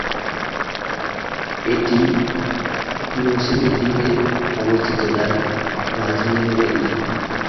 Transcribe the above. এটি Nosy Be দ্বীপে অবস্থিত, যার রাজধানী হল এটি।